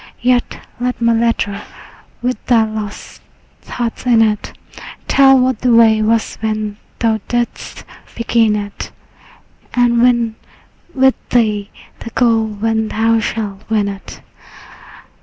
Yet let my letter with thy lost thoughts in it Tell what the way was when thou didst begin it, And win with thee the goal when thou shalt win it.